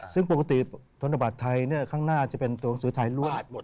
ซึ่งปกติธนบัตรไทยข้างหน้าจะเป็นตัวหนังสือไทยร่วม